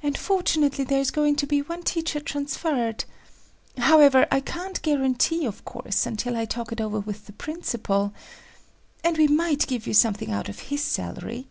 "And fortunately there is going to be one teacher transferred,…… however, I can't guarantee, of course, until I talk it over with the principal …… and we might give you something out of his salary."